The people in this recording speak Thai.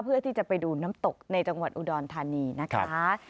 เพื่อที่จะไปดูน้ำตกในจังหวัดอุดรธานีนะคะ